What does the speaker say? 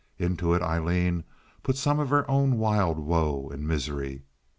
Into it Aileen put some of her own wild woe and misery.